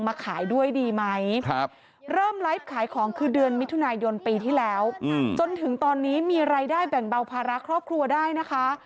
มาขายด้วยดีไหมเริ่มไลฟ์ขายของคือเดือนมิถุนายนปีที่แล้วจนถึงตอนนี้มีรายได้แบ่งเบาภาระครอบครัวได้นะคะ